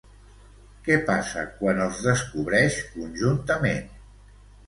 Què passa quan els descobreix conjuntament?